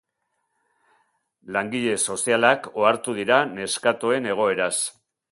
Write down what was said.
Langile sozialak ohartu dira neskatoen egoeraz.